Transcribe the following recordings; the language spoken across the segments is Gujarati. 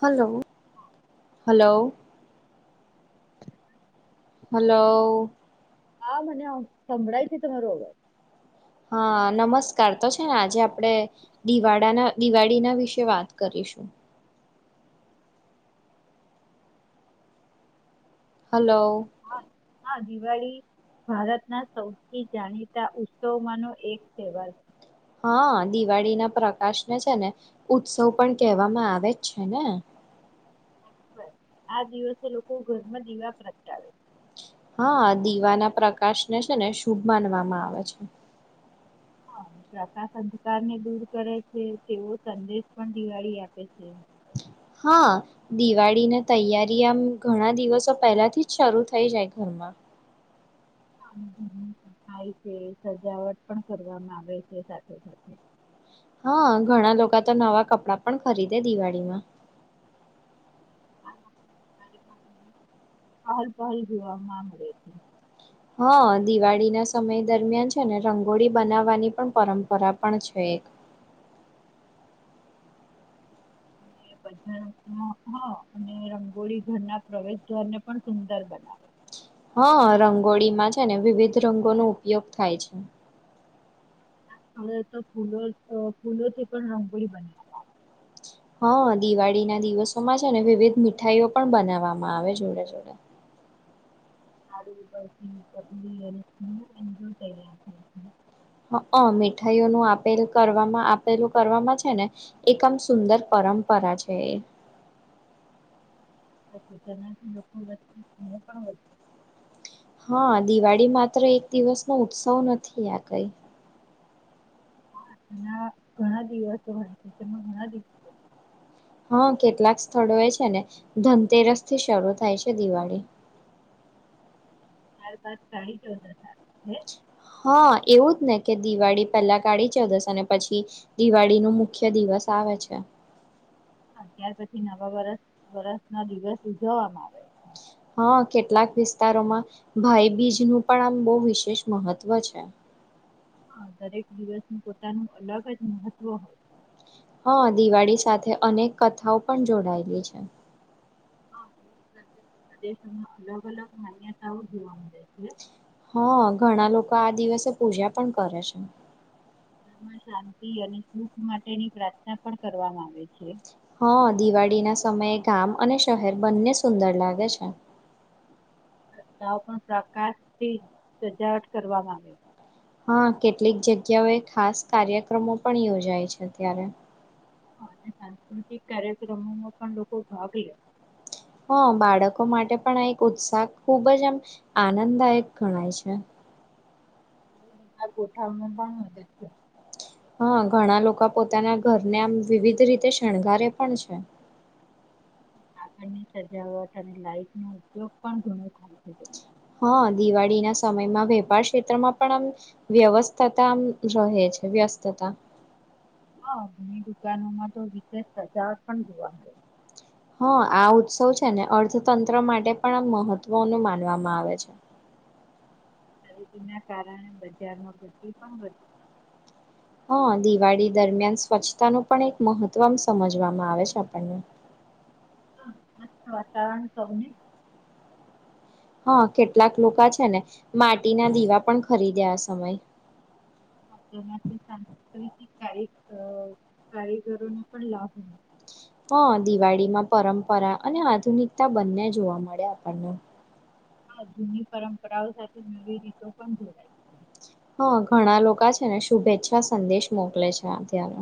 હલો હલો હલો હા મને સંભળાય છે તમારો અબર હા નમસ્કાર તો છે ને આજે આપણેે દિવાળળનાના દિવાળીના વિશે વાત કરીએ શું હલો હા હા દિવાળી ભારતના સૌથી જાણીતા ઉત્સવમાં નો એક તહેવાર છે હા દિવાળી ના પ્રકાશને છે ને ઉત્સવ પણ કહેવામાં આવે જ છે ને આ દિવસે લોકો ઘરમાં દીવા પ્રગટાવે હા દીવાના પ્રકાશ ને છે ને શુભ માનવામાં આવે છે હા, [inaudible] અને પ્રકાશ અંધકારને દૂર કરે છે તેવો સંદેશ પણ દિવાળી આપે છે હા દિવાળીને તૈયારી આમ ઘણા દિવસો પહેલાથી જ શરૂ થઈ જાય ઘરમાં માં ઘરની સફાઈ છે સજાવટ પણ કરવામાં આવે છે સાથે સાથે હા ઘણા લોકો તો નવા કપડા પણ ખરીદે દિવાળીમાં [unintelligible] જોવા મળે છે હા દિવાળી ના સમય દરમિયાન છે ને રંગોળી બનાવવાની પણ પરંપરા પણ છે [inaudible] [unintelligible] [unintelligible] અને રંગોળી ઘરના પ્રવેશ દ્વારને પણ સુંદર બનાવે હા રંગોળીમાં છે ને વિવિધ રંગોનો ઉપયોગ થાય છે હવે તો ફૂલો ફૂલોથી પણ રંગોળી બનાવી હા દિવાળી ના દિવસોમાં છે ને વિવિધ મીઠાઈઓ પણ બનાવવામાં આવે જોડે જોડે [unintelligible] મીઠાઈઓનું આપેલું કરવામાં આપેલું કરવામાં છે ને એકમ સુંદર પરંપરા પરા છે એ તેનાથી લોકો [unintelligible] હા દિવાળી માત્ર એક દિવસનો ઉત્સવ નથી આ કઈ હા એના ઘણા દિવસો હોય છે તેમાં ઘણા દિવસો હા કેટલાક સ્થળો એ છે ને ધનતેરસ થી શરૂ થાય છે દિવાળી [inaudible] ત્યાર બાદ કાળી ચૌદશ આવે છે. હા એવું જ ને કે દિવાળી પહેલા કાળી ચૌદસ અને પછી દિવાળી નું મુખ્ય દિવસ આવે છે. હા ત્યાર પછી નવા વર્ષના દિવસ ઉજવવામાં આવે છે. હા કેટલાક વિસ્તારોમાં ભાઈબીજ નું પણ આમ બહુ વિશેષ મહત્વ છે. હા દરેક દિવસનું પોતાનું અલગ જ મહત્વ હોય છે. હા દિવાળી સાથે અનેક કથાઓ પણ જોડાયેલી છે. હા પ્રદેશોમાં અલગ અલગ માન્યતાઓ જોવા મળે છે. હા ઘણા લોકો આ દિવસે પૂજા પણ કરે છે. ઘરમાં શાંતિ અને સુખ માટેની પ્રાર્થના પણ કરવામાં આવે છે. હા દિવાળી ના સમયે ગામ અને શહેર બંને સુંદર લાગે છે. રસ્તા ઓપણ પ્રકાશથી સજાવટ કરવામાં આવે. હા કેટલીક જગ્યાઓએ ખાસ કાર્યક્રમો પણ યોજાય છે અત્યારે હા અને સાંસ્કૃતિક કાર્યક્રમોમાં પણ લોકો ભાગ લે હા બાળકો માટે પણ આ એક ઉત્સાહ ખુબ જ આમ આનંદ દાયક ગણાય છે. [unintelligible] ગોઠવવામાં પણ મદદ છે. હા ઘણા લોકો પોતાના ઘરને આમ વિવિધ રીતે શણગારે પણ છે. આાગળની સજાવટ અને લાઈટ નો ઉપયોગ પણ ઘણો થાય છે તે હા દિવાળી ના સમયમાં વેપાર ક્ષેત્રમાં પણ આમ વ્યવસ્થાતા આમ રહે છે વ્યવસ્થાતા હા ઘણી દુકાનોમાં તો વિશેષ સજાવટ પણ જોવા મળે હા આ ઉત્સવ છે ને અર્થતંત્ર માટે પણ આ મહત્વનું માનવામાં આવે છે. ખરીદી ના કારણે બજારમાં ગડદી પણ વધી હા દિવાળી દરમિયાન સ્વચ્છતાનું પણ એક મહત્વ સમજવામાં આવે છે આપણને [inaudible] હા મસ્ત વાતાવરણ સૌને હા કેટલાક લોકો છે ને માટીના દીવા પણ ખરીદે આ સમય તેનાથી કાર કારીગરોને પણ લાભ હો હ દિવાળીમાં પરંપરા અને આધુનિકતા બંને જોવા મળે આપણને હા જૂની પરંપરાઓ સાથે નવી રીતો પણ જોડાય છે હા ઘણા લોકો છે ને શુભેચ્છા સંદેશ મોકલે છે અત્યારે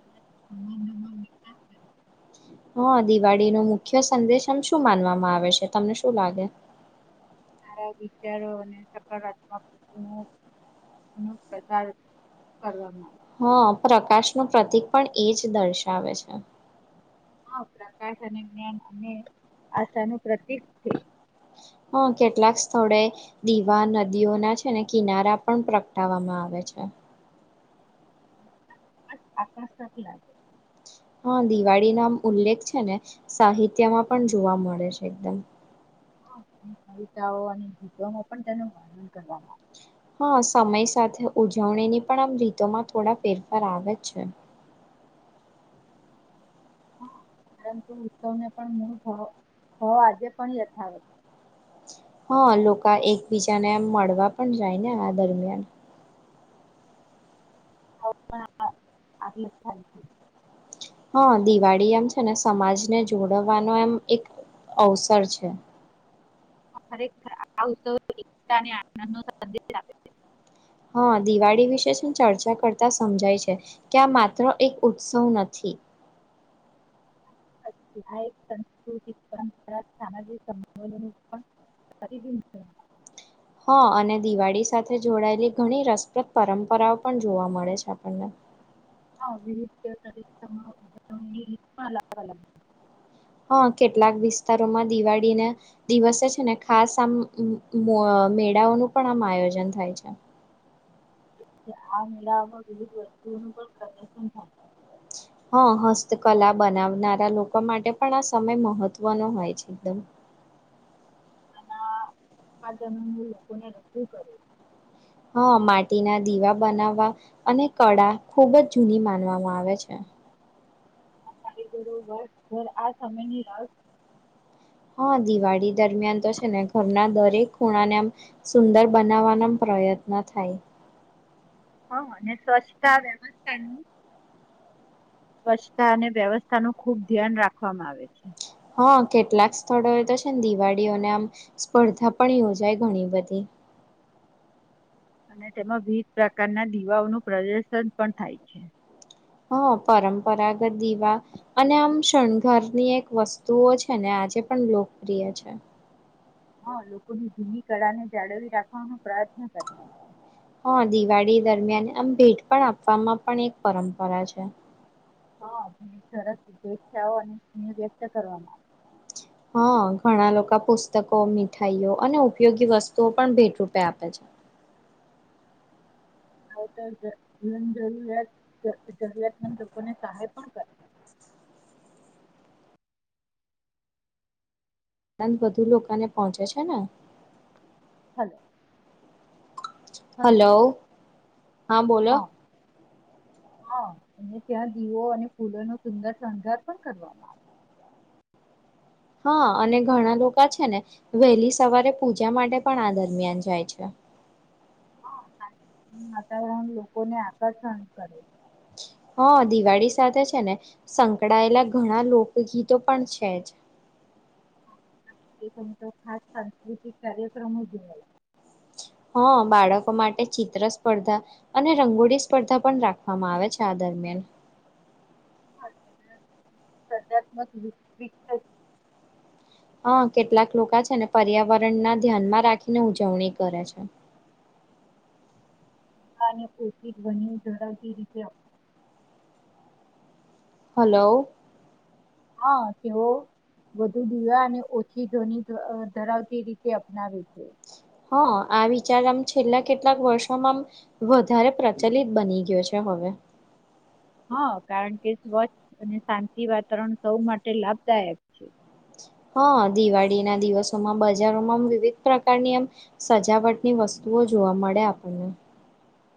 એનાથી સંબંધોમાં વિકાસ કરે હા દિવાળી નો મુખ્ય સંદેશ આમ શું માનવામાં આવે છે તમને શું લાગે સારા વિચારો અને સકારાત્મક નું નું પ્રચાર કરવામાં આવે હા પ્રકાશ ન પ્રતિક પણ એ જ દર્શાવે છે હા પ્રકાશ અને જ્ઞાન અને આશાનુંું પ્રતિક છે હ કેટલાક સ્થળે દીવા નદીઓના છે ને કિનારા પણ પ્રગટાવામાં આવે છે અચ્છા આકસ્્ટત લાગે હા દિવાળી ના ઉલ્લેખ છે ને સાહિત્યમાં પણ જોવા મળે છે એકદમ કવિતાઓ અને ગીતોમાં પણ તેનું વર્ણન કરવામાં આવે હા સમય સાથે ઉજવણીની પણ આમ રીતોમાં થોડા ફેરફાર આવે છે આવે હ પરંતુ ઉત્સવને પણ મૂળ ભ ભાવ આજે પણ યથાવત હા લોકો એકબીજાને મળવા પણ જાય ને આ દરમિયાન આ થાય છે હા દિવાળી એમ છે ને સમાજને જોડવાનો એમ એક અવસર છે ખરેખર આ ઉત્સવ એકતા અને આનંદ ન સંદેશ આપે છે હા દિવાળી વિશે શું ચર્ચા કરતા સમજાય છે કે આ માત્ર એક ઉત્સવ નથી હ એક સંસ્કૃતિક પરંપરા સામાજિક સંલન પણ પબ છે હા અને દિવાળી સાથે જોડાયેલી ઘણી રસપ્રદ પરંપરાઓ પણ જોવા મળે છે આપણને હા વિવિધ રી પણ અલગ અલગ હા કેટલાક વિસ્તારોમાં દિવાળીને દિવસે છે ને ખાસ આમ મેળાઓનું પણ આમ આયોજન થાય છે આ મેળામાં વિવિધ વસ્તુઓનું પણ પ્રદર્શન થાય હા હસ્તકલા બનાવનારા લોકો માટે પણ આ સમય મહત્વનો હોય છે એકદમ આના ઉત્પાદનો નું લોકોને રજૂ કરે હા માટીના દીવા બનાવવા અને કળા ખૂબ જ જૂની માનવામાં આવે છે. કારગરો ઘર ઘર આ સમયની રાસ હા દિવાળી દરમિયાન તો છે ને ઘરના દરેક ખૂણાને આમ સુંદર બનાવવાના પ્રયત્ન થાય હા અને સ્વચ્છતા વ્યવસ્થા નું સ્વચ્છતા અને વ્યવસ્થા નું ખુબ ધ્યાન રાખવામાં આવે છે હા કેટલાક સ્થળો એ તો છે ને દિવાળીઓને આમ સ્પર્ધા પણ યોજાય ઘણી બધી અને તેમાં વિવિધ પ્રકારના દીવાઓનું પ્રદર્શન પણ થાય છે હા પરંપરાગત દીવા અને આમ શણગાર ની એક વસ્તુઓ છે ને આજે પણ લોકપ્રિય છે હા લોકોની જૂની કળાને જાળવી રાખવાનો પ્રયત્ન કરીએએ હા દિવાળી દરમિયાન આમ ભેટ પણ આપવામાં પણ એક પરંપરા છે હા સરસ અને વ્યક્ત કરવામાં આવે હા ઘણા લોકો પુસ્તકો મીઠાઈઓ અને ઉપયોગી વસ્તુઓ પણ ભેટ રૂપે આપે છે હ આવ તો જન જરૂરિયાત જરૂરિયાતમંદ લોકોને સહાય પણ કરે આણંદ વધુ લોકોને પહોંચે છે ને હલો હલો હા બોલો હા અને ત્યાં દીવો અને ફૂલો ન સુંદર શણગાર પણ કરવામાં આવે હા અને ઘણા લોકો છે ને વહેલી સવારે પૂજા માટે પણ આ દરમિયાન જાય છે હ વાતાવરણ લોકોને આકર્ષણ કરે હા દિવાળી સાથે છે ને સંકળાયેલા ઘણા લોકગીતો પણ છે જ તો ખાસ સાંસ્કૃતિક કાર્યક્રમો જો હા બાળકો માટે ચિત્ર સ્પર્ધા અને રંગોળી સ્પર્ધા પણ રાખવામાં આવે છે આદર દરમિયાન હાત્મક હા કેટલાક લોકો છે ને પર્યાવરણ ના ધ્યાનમાં રાખીને ઉજવણી કરે છે હ ાને ઉછ ધ્વનિ ધળવતી રીતે હલોલો હા કેવો વધુ દીવા અને ઓછી ધ્વનિ ધરાવતી રીતે અપનાવે છે હ હ આ વિચાર આમ છેલ્લા કેટલાક વર્ષોમાં આમ વધારે પ્રચલિત બની ગયો છે હવે હા કારણ કે સ્વચ્છ અને શાંતિ વાતાવરણ સૌ માટે લાભદાયક છે હા દિવાળી ના દિવસોમાં બજારોમાં વિવિધ પ્રકારની એમ સજાવટની વસ્તુ જોો જોવા મળે આપણને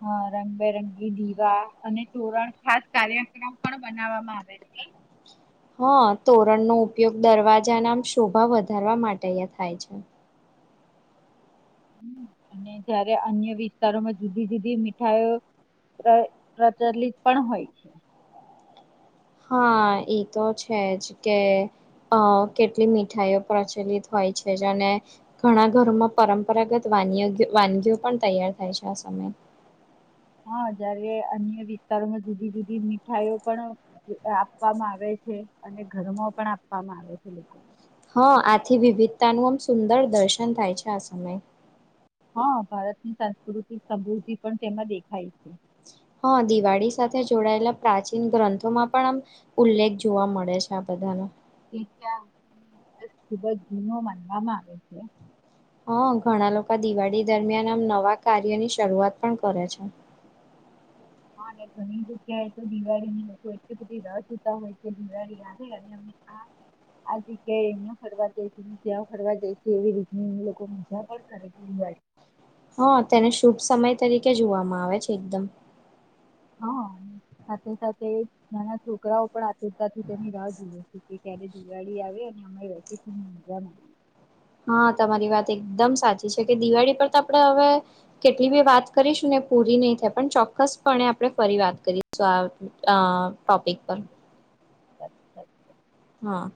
હ રંગબેરંગી દીવા અને તોરણ ખાસ કાર્યક્રમ પણ બનાવવામાં આવે છે [inaudible] હા તોરણનો ઉપયોગ દરવાજા ના શોભા વધારવા માટે એ થાય છે હમ, [inaudible] અને જયારે અન્ય વિસ્તારોમાં જુદી જુદી મીઠાઈ પ્ર પ્રચલિત પણ હોય છે હા એ તો છેજ કે અ કેટલી મીઠાઈઓ પ્રચલિત હોય છે અને ઘણા ઘરોમાં પરંપરાગત વા વાનગીઓ પણ તૈયાર થાય છે આ સમય હા જયારે અન્ય વિસ્તારોમાં જુદી જુદી મીઠાઈઓ પણ આપવામાં આવે છે અને ઘરમાં પણ આપવામાં આવે છે લોકો હા આથી વિવિધતાનું આમ સુંદર દર્શન થાય છે આ સમય હા ભારતની સાંસ્કૃતિક સમૃદ્ધિ પણ તેમાં દેખાય છે હા દિવાળી સાથે જોડાયેલા પ્રાચીન ગ્રંથોમાં પણ આમ ઉલ્લેખ જોવા મળે છે આ બધા બધનું તે તં ખૂબ જ જૂનો માનવામાં આવે છે હ ઘણા લોકો દિવાળી દરમિયાન આમ નવા કાર્યની શરૂઆત પણ કરે છે હા અને ઘણી જગ્યાએ તો દિવાળીની લોકો એટલી બધી ર જોતા હોય કે દિવાળી આવે અને [inaudible] આ [inaudible] આ જગ્યાએ અહિયાયા ફરવા જાય છે ને ત્યાં ફરવા જાય છે એવી રીતની લોકો મજા પણ કરે છે બ હા તેને શુભ સમય તરીકે જોવામાં આવે છે એકદમ હા સાથે સાથે નાના છોકરાઓ પણ આતુરતાથી તેની રાહ જોઈએ ત્યારે દિવાળી આવે અને અ વેકેશનની મજા હા તમારી વાત એકદમ સાચી છે કે દિવાળી પર તો આપણેે હવે કેટલી બી વાત કરીશું ને પૂરી નહી થાય પણ ચોક્કસપણે આપણે ફરી વાત કરીશું ટોપિક પર અચછા હા